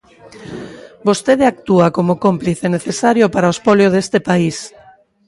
Vostede actúa como cómplice necesario para o espolio deste país.